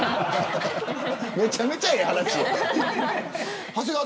めちゃめちゃええ話。